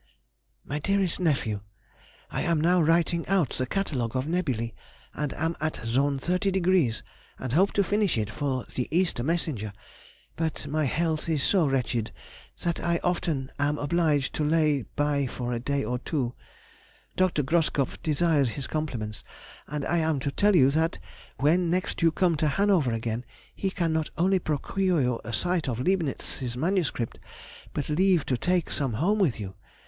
MY DEAREST NEPHEW,— I am now writing out the Catalogue of Nebulæ, and am at zone 30°, and hope to finish it for the Easter messenger; but my health is so wretched that I often am obliged to lay by for a day or two. Dr. Groskopf desires his compliments, and I am to tell you that when next you come to Hanover again he can not only procure you a sight of Leibnitz's MS., but leave to take some home with you.